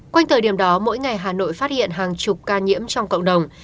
quanh thời điểm đó mỗi ngày hà nội phát hiện hàng chục ca nhiễm trong cộng đồng